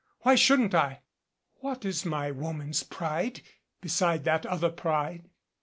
Why shouldn't I? What is my woman's pride beside that other pride?